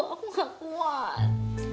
aku gak kuat